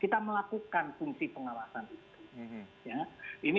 kita melakukan fungsi pengawasan itu